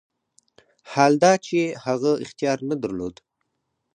حال دا چې هغه اختیار نه درلود.